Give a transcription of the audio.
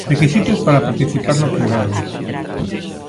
Requisitos para participar no cribado.